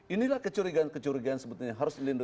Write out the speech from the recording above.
inilah kecurigaan kecurigaan sebetulnya